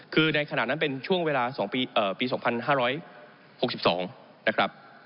คือในขณะนั้นเป็นช่วงเวลาปี๒๕๖๒นะครับ